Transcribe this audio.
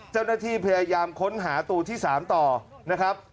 เจ้าหน้าที่พยายามค้นหาตัวที่๓ต่อนะครับ